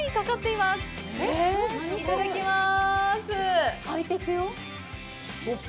いただきます。